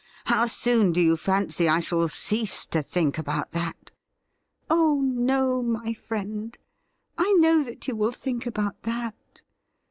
How soon do you fancy I shall cease to think about that ?'' Oh no, my friend ; I know that you will think about that.